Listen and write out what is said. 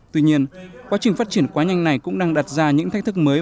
tuy nhiên quá trình phát triển quá nhanh này cũng đang đặt ra những thách thức mới